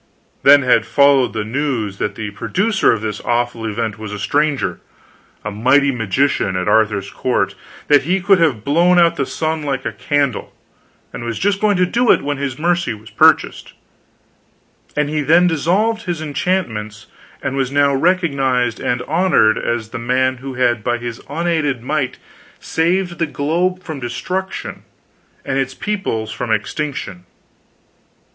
Then had followed the news that the producer of this awful event was a stranger, a mighty magician at Arthur's court; that he could have blown out the sun like a candle, and was just going to do it when his mercy was purchased, and he then dissolved his enchantments, and was now recognized and honored as the man who had by his unaided might saved the globe from destruction and its peoples from extinction.